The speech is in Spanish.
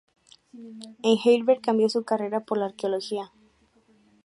En Heidelberg cambió su carrera por la de Arqueología.